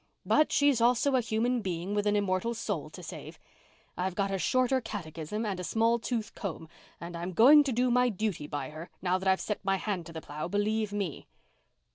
But she's also a human being with an immortal soul to save. I've got a shorter catechism and a small tooth comb and I'm going to do my duty by her, now that I've set my hand to the plough, believe me."